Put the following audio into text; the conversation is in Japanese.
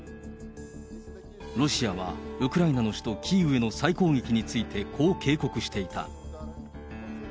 ロシアはウクライナの首都キーウへの再攻撃についてこう警告していた。